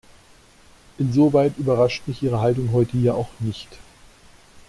Insoweit überrascht mich Ihre Haltung heute hier auch nicht.